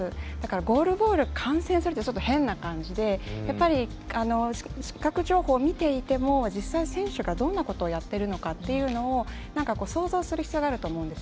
ゴールボール観戦するって変な感じで視覚情報を見ていても選手がどんなことをやっているか想像する必要があると思います。